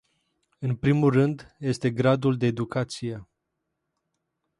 În primul rând este gradul de educație.